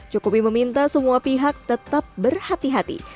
jokowi meminta semua pihak tetap berhati hati